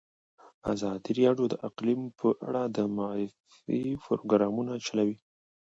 ازادي راډیو د اقلیم په اړه د معارفې پروګرامونه چلولي.